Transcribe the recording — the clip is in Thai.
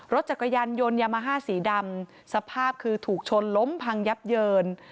รถจักรยานยนต์ยามาฮ่าสีดำสภาพคือถูกชนล้มพังยับเยิน